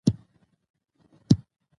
پکتيا کي دي ژمي موسم کي واوري وريږي